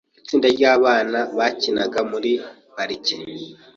Itsinda ryabana bakinaga muri parike .